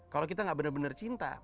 kalau kita nggak benar benar cinta